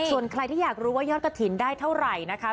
ส่วนใครที่อยากรู้ว่ายอดกระถิ่นได้เท่าไหร่นะคะ